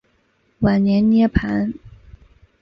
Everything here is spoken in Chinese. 晚年涅盘。